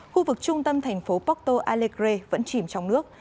khu vực trung tâm thành phố porto alegre vẫn chìm trong nước